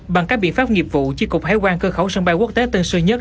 bằng các biện pháp nghiệp vụ chi cục hải quan cơ khẩu sân bay quốc tế tân sơn nhất